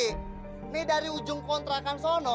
ini dari ujung kontrakan sono